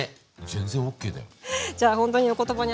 全然ＯＫだよ。